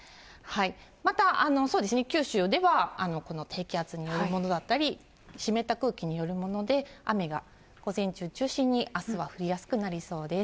また、九州では、この低気圧によるものだったり、湿った空気によるもので、雨が午前中中心に、あすは降りやすくなりそうです。